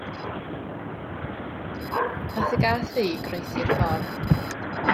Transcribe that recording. Nath y gath ddu groesi'r ffordd.